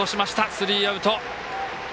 スリーアウト。